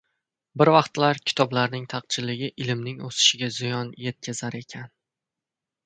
Bir vaqtlar kitoblarning taqchilligi ilmning o‘sishiga ziyon yetkazar ekan.